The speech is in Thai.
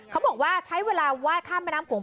เขาบอกว่าใช้เวลาไหว้ข้ามแม่น้ำโขง